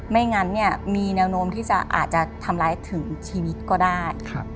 ไม่งั้นมีแนวโน้มที่อาจจะทำร้ายถึงชีวิตก็ได้